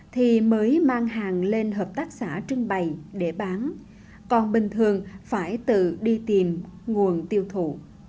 thì mới mang hàng lên hợp tác xã trưng bày để bán còn bình thường phải tự đi tìm nguồn tiêu thụ